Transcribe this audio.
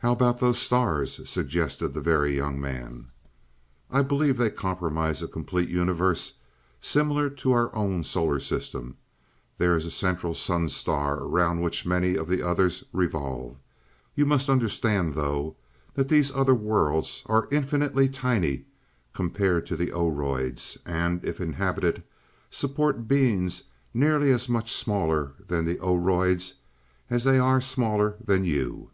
"How about those stars?" suggested the Very Young Man. "I believe they comprise a complete universe similar to our own solar system. There is a central sun star, around which many of the others revolve. You must understand, though, that these other worlds are infinitely tiny compared to the Oroids, and, if inhabited, support beings nearly as much smaller than the Oroids, as they are smaller than you."